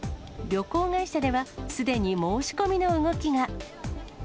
旅行会社ではすでに申し込みの動きが。